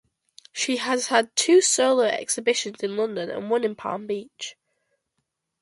She has had two solo exhibitions in London and one in Palm Beach.